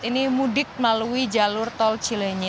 ini mudik melalui jalur tol cilenyi